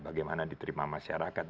bagaimana diterima masyarakat